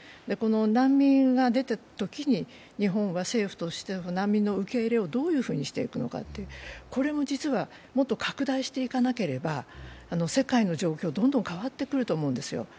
難民が出たときに日本は政府として、難民の受け入れをどういうふうにしていくのか、これも実はもっと拡大していかなければ世界の状況、どんどん変わってくると思うんですよ。